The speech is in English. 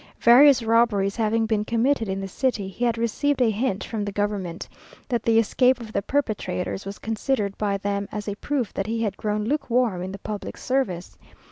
Various robberies having been committed in the city, he had received a hint from the government, that the escape of the perpetrators was considered by them as a proof that he had grown lukewarm in the public service.